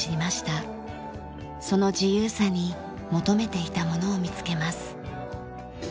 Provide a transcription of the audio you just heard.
その自由さに求めていたものを見つけます。